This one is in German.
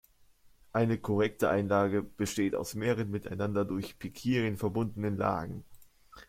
Eine korrekte Einlage besteht aus mehreren, miteinander durch Pikieren verbundenen Lagen.